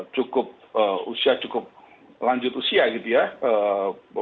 cukup usia cukup lanjut usia gitu ya